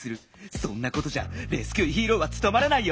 そんなことじゃレスキューヒーローはつとまらないよ。